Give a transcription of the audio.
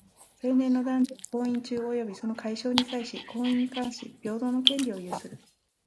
成年の男女は、婚姻中及びその解消に際し、婚姻に関し平等の権利を有する。